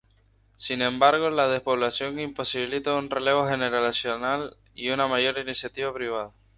Sin embargo la despoblación imposibilita un relevo generacional y una mayor iniciativa privada.